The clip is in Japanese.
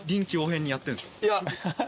いや。